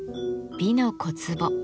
「美の小壺」